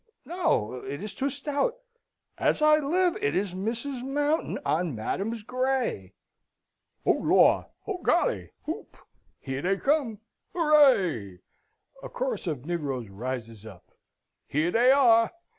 No. It is too stout. As I live it is Mrs. Mountain on Madam's grey! "O Lor! O Golly! Hoop! Here dey come! Hurray!" A chorus of negroes rises up. "Here dey are!"